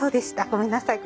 ごめんなさい。